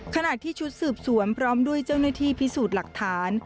ขณะที่ชุดสืบสวนพร้อมด้วยเจ้าหน้าที่พิสูจน์หลักฐาน